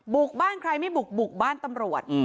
บุกบ้านใครไม่บุกบุกบ้านตำรวจ